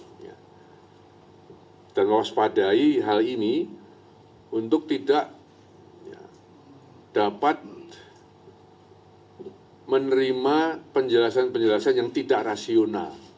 dan memperlepas padai hal ini untuk tidak dapat menerima penjelasan penjelasan yang tidak rasional